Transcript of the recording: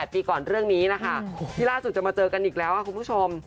ปีก่อนเรื่องนี้นะคะที่ล่าสุดจะมาเจอกันอีกแล้วคุณผู้ชม